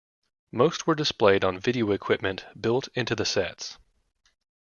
Most were displayed on video equipment built into the sets.